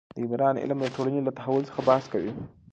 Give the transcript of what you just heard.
د عمران علم د ټولنې له تحول څخه بحث کوي.